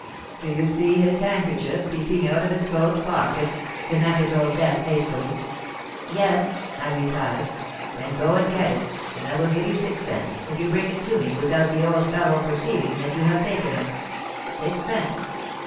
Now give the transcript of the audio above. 'Do you see his handkerchief peeping out of his coat pocket?' demanded Old Death hastily.—'Yes,' I replied.—'Then go and get it, and I will give you sixpence, if you bring it to me, without the old fellow perceiving that you have taken it.'—Sixpence!